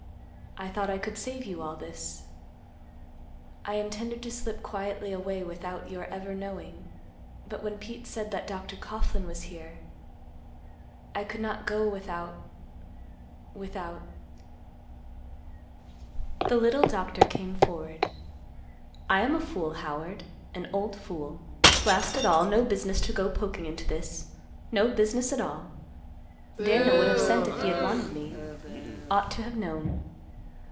I thought I could save you all this. I intended to slip quietly away without your ever knowing, but when Pete said that Dr. Coughlan was here, I could not go without—without—" The little doctor came forward. "I am a fool, Howard, an old fool. Blast it all; no business to go poking into this; no business at all! Daniel would have sent if he had wanted me. Ought to have known.